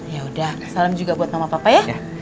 yaudah salam juga buat nama papa ya